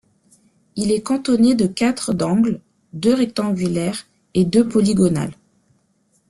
Il est cantonné de quatre d'angles, deux rectangulaires et deux polygonales.